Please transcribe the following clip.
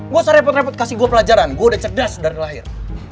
gua usah repot repot kasih gua pelajaran gua udah cerdas dari lahir